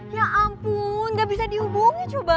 ya ampun ga bisa dihubungin coba